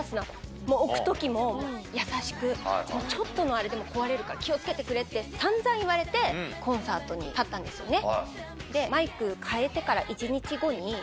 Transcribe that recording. ちょっとのあれでも壊れるから気を付けてくれって散々言われてコンサートに立ったんですよね。